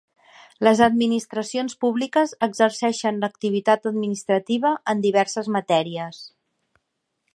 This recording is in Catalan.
Les administracions públiques exerceixen l'activitat administrativa en diverses matèries.